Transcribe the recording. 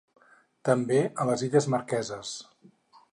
També a les Illes Marqueses.